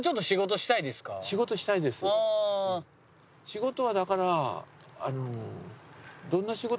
仕事はだから。